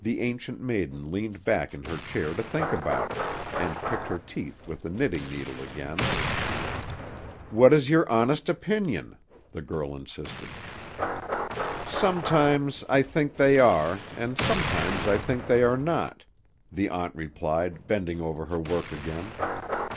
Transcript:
The Ancient Maiden leaned back in her chair to think about it, and picked her teeth with the knitting needle again. "What is your honest opinion?" the girl insisted. "Sometimes I think they are, and sometimes I think they are not," the aunt replied, bending over her work again.